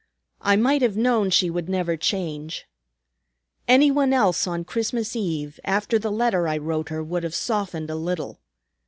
"I might have known she would never change. Any one else, on Christmas Eve, after the letter I wrote her, would have softened a little.